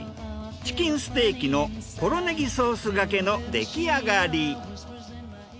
チキンステーキのポロネギソースがけのできあがり。